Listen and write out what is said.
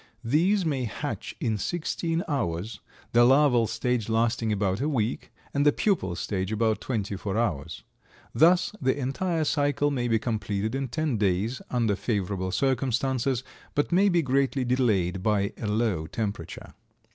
These may hatch in 16 hours, the larval stage lasting about a week, and the pupal stage about 24 hours. Thus the entire cycle may be completed in 10 days, under favorable circumstances, but may be greatly delayed by a low temperature.